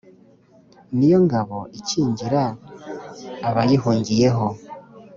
ni yo ngabo ikingira abayihungiyeho